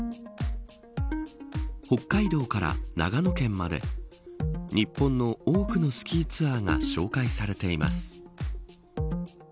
北海道から長野県まで日本の多くのスキーツアーが紹介されています。